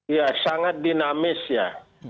ya sangat dinamis ya